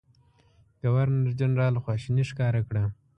ګورنرجنرال خواشیني ښکاره کړه.